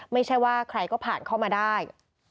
ไม่ใช่ว่าใครก็ผ่านเข้ามาได้